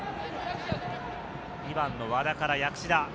２番の和田から薬師田。